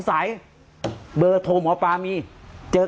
การแก้เคล็ดบางอย่างแค่นั้นเอง